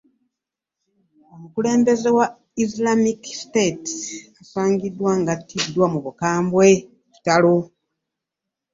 Omukulembeze wa Islamic State asangidddwa ng'attiiddwa mu bukambwe obw'ekitalo.